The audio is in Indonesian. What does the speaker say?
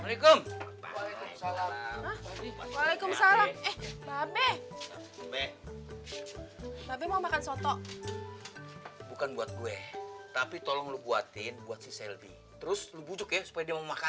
itu dia gua gatau cuy